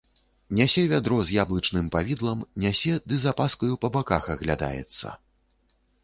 Нясе вядро з яблычным павідлам, нясе ды з апаскаю па баках аглядаецца.